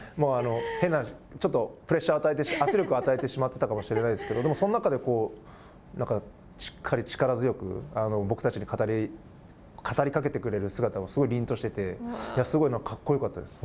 変な話ちょっとプレッシャーを圧力を与えてしまっていたかもしれないですけどでも、その中でしっかり力強く僕たちに語りかけてくれる姿はすごいりんとしててすごい格好よかったです。